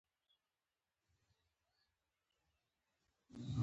دا تکلیف مو له کله شروع شو؟